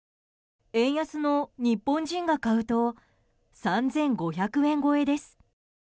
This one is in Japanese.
円安の日本人が買うと３５００円超えです。